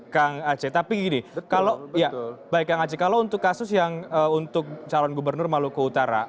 kang aceh tapi gini kalau untuk kasus yang untuk calon gubernur maluku utara